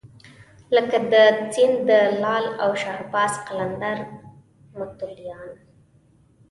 لکه د سیند د لعل او شهباز قلندر متولیان.